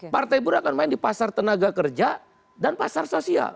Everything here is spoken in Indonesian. partai buruh akan main di pasar tenaga kerja dan pasar sosial